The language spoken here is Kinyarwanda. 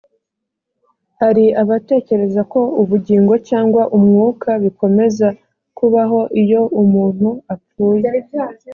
hari abatekereza ko ubugingo cyangwa umwuka bikomeza kubaho iyo umuntu apfuye